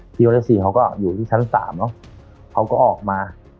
พี่คนที่๔เขาก็อยู่ที่ชั้น๓เขาก็ออกมา